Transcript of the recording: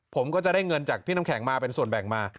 ผมก็จะได้เงินจากพี่น้ำแข็งมาเป็นส่วนแบ่งมา